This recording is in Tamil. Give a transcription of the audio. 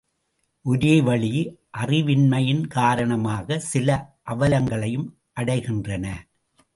ஒரோவழி, அறிவின்மையின் காரணமாகச் சில அவலங்களையும் அடைகின்றன.